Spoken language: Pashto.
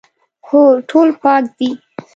هو، ټول پاک دي